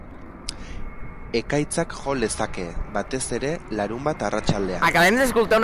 Ekaitzak jo lezake, batez ere larunbat arratsaldean.